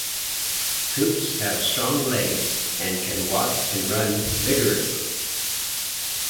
Coots have strong legs and can walk and run vigorously.